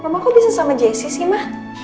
mama kok bisa sama jessi sih ma